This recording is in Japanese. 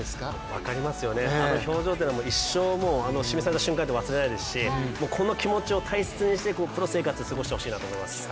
分かりますよね、あの表情っていうのは一生、指名された瞬間って忘れないですしもうこの気持ちを大切にしてプロ生活を過ごしてほしいなと思います。